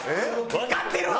わかってるわ！